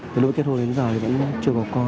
từ lúc kết hôn đến giờ thì vẫn chưa có con